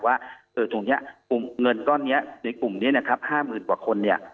ว่าเงินก้อนในกลุ่มนี้๕หมื่นกว่าคน